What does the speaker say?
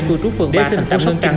của trúc phường ba thành phố sốc trăng